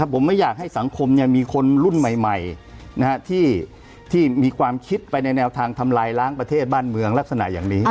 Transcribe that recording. ผมไม่อยากให้สังคมมีคนรุ่นใหม่ที่มีความคิดไปในแนวทางทำลายล้างประเทศบ้านเมืองลักษณะอย่างนี้